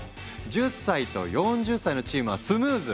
１０歳と４０歳のチームはスムーズ！